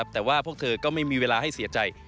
แต่ว่าพวกเธอก็ไม่มีเวลาให้เสียใจ